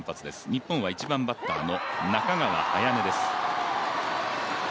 日本は、１番バッターの中川彩音です。